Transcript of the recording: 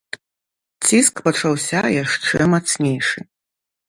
Ціск пачаўся яшчэ мацнейшы.